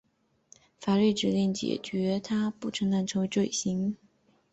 法律指令解决族裔群体不平等和使歧视成为罪行。